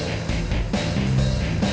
lo nyari manti disini